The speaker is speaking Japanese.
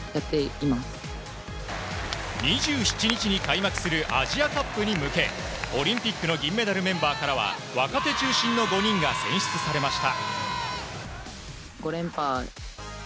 ２７日に開幕するアジアカップに向けオリンピックの銀メダルメンバーからは若手中心の５人が選出されました。